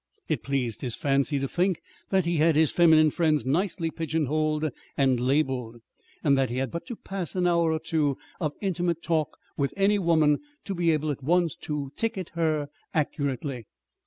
It pleased his fancy to think that he had his feminine friends nicely pigeonholed and labeled, and that he had but to pass an hour or two of intimate talk with any woman to be able at once to ticket her accurately.